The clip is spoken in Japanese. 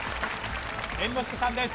猿之助さんです。